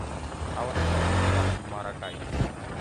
მთავარი ქალაქია მარაკაი.